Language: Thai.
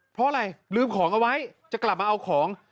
เพราะอะไรลืมของเอาไว้จะกลับมาเอาของ